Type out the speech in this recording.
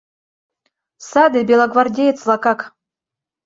Саде белогвардеец-влакак.